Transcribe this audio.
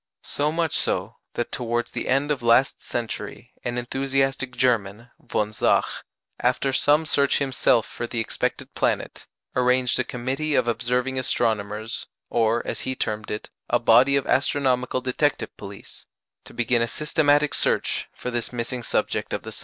So much so, that towards the end of last century an enthusiastic German, von Zach, after some search himself for the expected planet, arranged a committee of observing astronomers, or, as he termed it, a body of astronomical detective police, to begin a systematic search for this missing subject of the sun.